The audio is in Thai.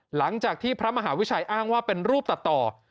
หลังจากที่พระมหาวิชัยอ้างว่าเป็นรูปตัดต่อ